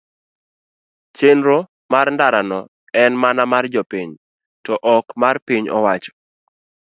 Chenro mar ndara no en mana mar jopiny to ok mar piny owacho.